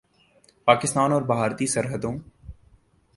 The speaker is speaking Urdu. پاکستان اور بھارتی سرحدوں